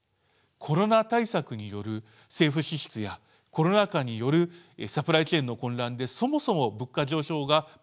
コロナ対策による政府支出やコロナ禍によるサプライチェーンの混乱でそもそも物価上昇が目立っている中